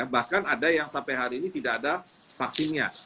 bahkan ada yang sampai hari ini tidak ada vaksinnya